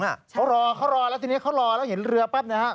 เขารอแล้วทีนี้เขารอแล้วเห็นเรือปั๊บนะครับ